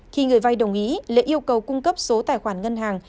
khi người vai đồng ý lễ yêu cầu cung cấp số tài khoản ngân hàng